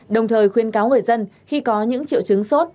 đồng thời khuyên cáo người dân khi có những triệu chứng sốt